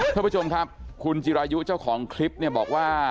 เพื่อผู้ชมครับคุณจิรายุเจ้าของคริปบอกว่า